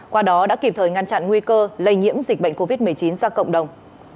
qua đó đã kịp thời ngăn chặn nguy cơ lây nhiễm dịch bệnh covid một mươi chín ra cộng đồng